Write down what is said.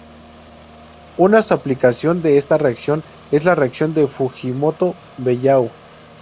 Unas aplicación de esta reacción es la reacción de Fujimoto-Belleau.